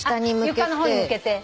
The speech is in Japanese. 床の方に向けて。